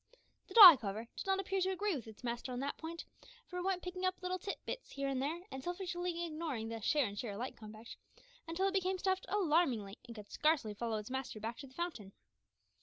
The dog, however, did not appear to agree with its master on this point, for it went picking up little tit bits here and there, and selfishly ignoring the "share and share alike" compact, until it became stuffed alarmingly, and could scarcely follow its master back to the fountain.